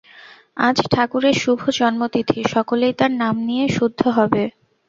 আজ ঠাকুরের শুভ জন্মতিথি, সকলেই তাঁর নাম নিয়ে শুদ্ধ হবে।